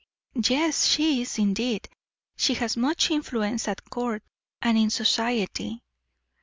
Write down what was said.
"Yes, she is, indeed, she has much influence at court and in society."